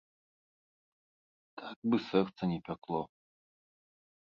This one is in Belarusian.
Так бы сэрца не пякло!